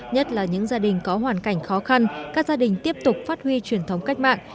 nhất là những gia đình có hoàn cảnh khó khăn các gia đình tiếp tục phát huy truyền thống cách mạng